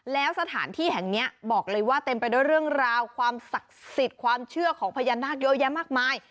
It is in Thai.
แล้วสถานที่แห่งนี้บอกเลยว่าเต็มไปด้วยเรื่องราวความศักดิ์สิทธิ์ความเชื่อของพญานาคเยอะแยะมากมาย